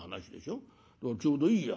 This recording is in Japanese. ちょうどいいや。